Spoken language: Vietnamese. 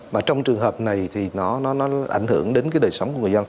và trong trường hợp này thì nó ảnh hưởng đến cái đời sống của người dân